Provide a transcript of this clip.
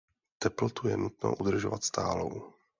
Teplotu je nutno udržovat stálou.